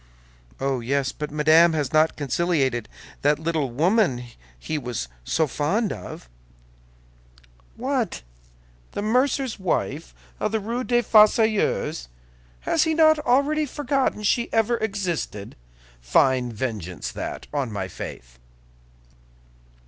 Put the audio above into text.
"Oh, yes; but Madame has not conciliated that little woman he was so fond of." "What, the mercer's wife of the Rue des Fossoyeurs? Has he not already forgotten she ever existed? Fine vengeance that, on my faith!"